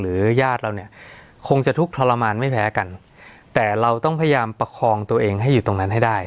ญาติเราเนี่ยคงจะทุกข์ทรมานไม่แพ้กันแต่เราต้องพยายามประคองตัวเองให้อยู่ตรงนั้นให้ได้